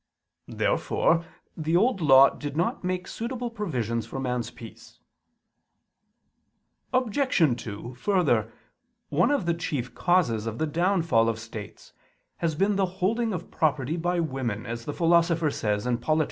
Therefore the Old Law did not make suitable provisions for man's peace. Obj. 2: Further, one of the chief causes of the downfall of states has been the holding of property by women, as the Philosopher says (Polit.